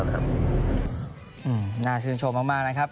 น่าชื่นชมมากนะครับ